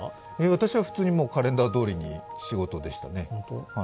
私は普通にカレンダーどおりに仕事でしたね。